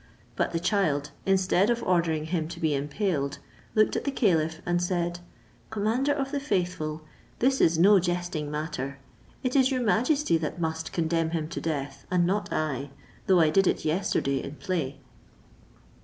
But the child, instead of ordering him to be impaled, looked at the caliph, and said "Commander of the faithful, this is no jesting matter; it is your majesty that must condemn him to death, and not I, though I did it yesterday in play."